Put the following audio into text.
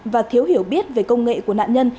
và thiếu hiểu biết về công nghệ của nạn nhân